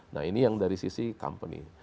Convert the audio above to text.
nah ini yang dari sisi company